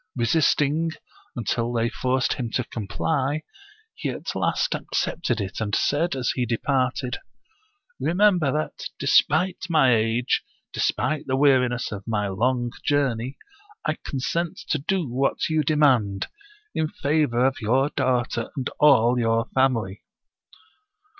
Resist ing until they forced him to comply, he at last accepted it, and said, as he departed :" Remember that, despite my age, despite the weariness of my long journey, I consent to do what you demand, in favor of your daughter and all your family."